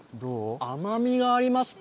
甘みがあります。